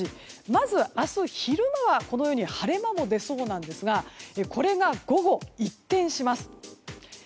まず、明日の昼間は晴れ間も出るんですがこれが午後、一転します。